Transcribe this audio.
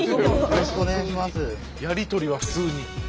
やり取りは普通に。